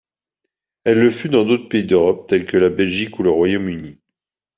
Elle le fut dans d'autres pays d'Europe tels que la Belgique ou le Royaume-Uni.